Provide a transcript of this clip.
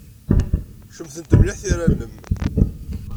Cemtent mliḥ tira-nnem.